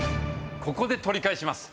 ここで取り返します。